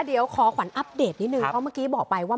เดี๋ยวขอขวัญอัปเดตนิดนึงเพราะเมื่อกี้บอกไปว่า